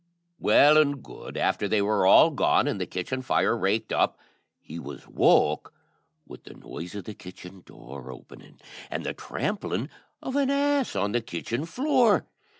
Well and good, after they were all gone and the kitchen fire raked up, he was woke with the noise of the kitchen door opening, and the trampling of an ass on the kitchen floor.